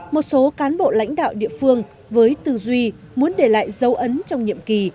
một số cán bộ lãnh đạo địa phương với tư duy muốn để lại dấu ấn trong nhiệm kỳ